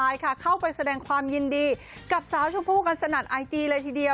อยากได้ผู้ชาย